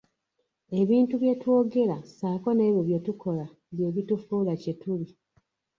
Ebintu bye twogera ssaako n'ebyo bye tukola bye bitufuula kye tuli.